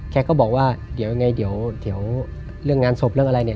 แกก็บอกว่าเดี๋ยวเรื่องงานศพเรื่องอะไรเนี่ย